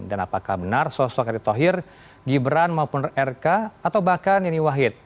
dan apakah benar sosok erick thohir gibran maupun rk atau bahkan yeni wahid